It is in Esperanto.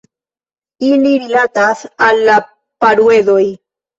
Ili rilatas al la Paruedoj.